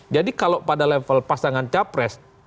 jadi kalau pada level pasangan capres